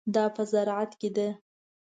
دا په زراعت کې ده.